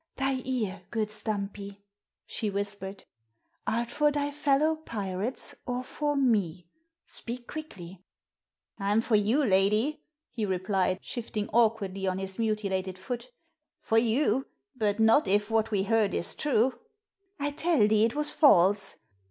"Thy ear, good Stumpy," she whispered. "Art for thy fellow pirates, or for me? Speak quickly." "I'm for you, lady," he replied, shifting awkwardly on his mutilated foot. "For you, but not if what we heard is true." "I tell thee it was false.